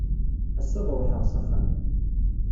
Ass-a ad ruḥeɣ s axxam.